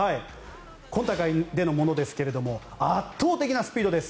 今大会でのものですが圧倒的なスピードです。